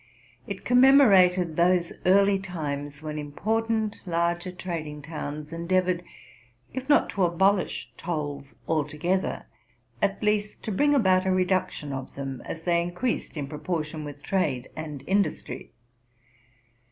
It commemorated those early times when impor tant larger trading towns endeavored, if not to abolish tolls altogether, at least to bring about a reduction of them, as they increased in proportion with trade and industry.